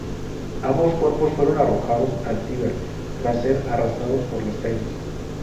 Ambos cuerpos fueron arrojados al Tíber, tras ser arrastrados por las calles.